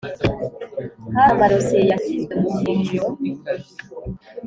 Hari amadosiye yashyizwe mu cyiciro